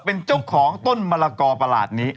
เป็นเจ้าของต้นมะละกอประหลาดนี้